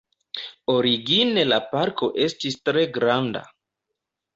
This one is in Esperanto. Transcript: Origine la parko estis tre granda.